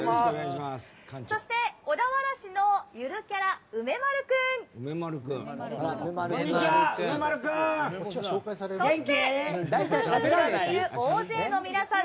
そして、小田原市のゆるキャラうめまるくん！